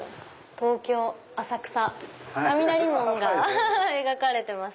東京・浅草雷門が描かれてます。